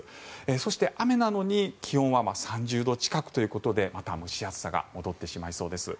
そして、雨なのに気温は３０度近くということでまた蒸し暑さが戻ってしまいそうです。